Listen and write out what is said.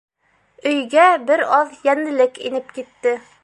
Өйгә бер аҙ йәнлелек инеп китте.